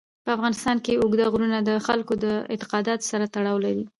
په افغانستان کې اوږده غرونه د خلکو د اعتقاداتو سره تړاو لري.